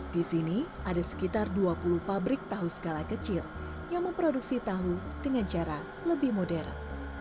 di sini ada sekitar dua puluh pabrik tahu skala kecil yang memproduksi tahu dengan cara lebih modern